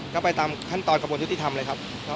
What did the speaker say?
ก็ไปตามขั้นตอนกระบวนยุติธรรมเลยครับ